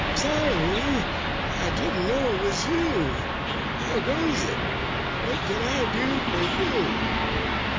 "Sorry I didn't know it was you! How goes it? What can I do for you?"